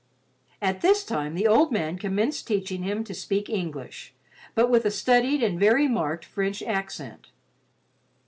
At this time the old man commenced teaching him to speak English, but with a studied and very marked French accent.